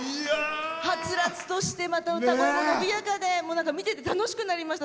はつらつとしてまた歌声も伸びやかで見てて楽しくなりました。